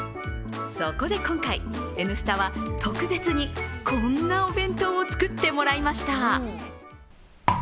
そこで今回、「Ｎスタ」は特別にこんなお弁当を作ってもらいました。